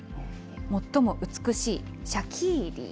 最も美しいシャキーリー。